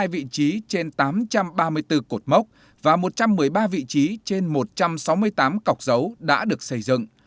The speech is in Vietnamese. bảy trăm chín mươi hai vị trí trên tám trăm ba mươi bốn cột mốc và một trăm một mươi ba vị trí trên một trăm sáu mươi tám cọc dấu đã được xây dựng